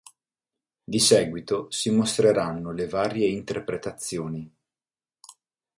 Di seguito si mostreranno le varie interpretazioni.